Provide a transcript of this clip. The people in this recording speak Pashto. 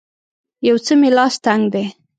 یو څه مې لاس تنګ دی